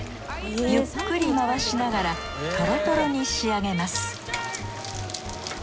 ゆっくり回しながらとろとろに仕上げます